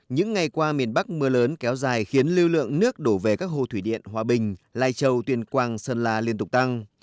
những ngày qua miền bắc mưa lớn kéo dài khiến lưu lượng nước đổ về các hồ thủy điện hòa bình lai châu tuyên quang sơn la liên tục tăng